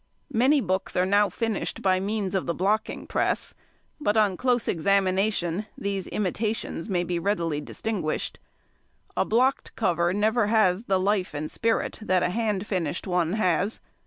Many books are now finished by means of the blocking press; but on close examination, these imitations may be readily distinguished. A blocked cover never has the life and spirit that a hand finished one has.